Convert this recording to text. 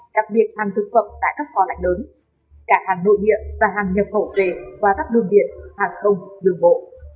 đặc biệt hàng thực phẩm tại các phò lạnh đớn cả hàng nội địa và hàng nhập khẩu về qua các đường biển hàng không đường bộ